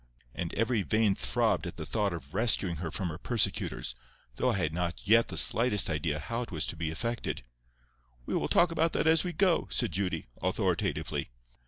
And every vein throbbed at the thought of rescuing her from her persecutors, though I had not yet the smallest idea how it was to be effected. "We will talk about that as we go," said Judy, authoritatively.